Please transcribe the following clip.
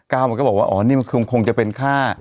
มันก็บอกว่าอ๋อนี่มันคงจะเป็นค่า